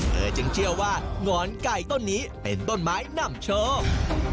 จึงเชื่อว่าหงอนไก่ต้นนี้เป็นต้นไม้นำโชค